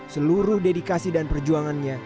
seluruh dedikasi dan perjuangannya